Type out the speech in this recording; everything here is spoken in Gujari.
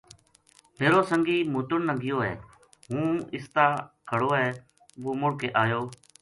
میرو سنگی موتن نا گیو ہے ہوں اس تا کھڑو ہے وہ مڑ کے آیو